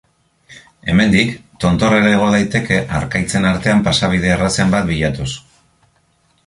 Hemendik, tontorrera igo daiteke harkaitzen artean pasabide errazen bat bilatuz.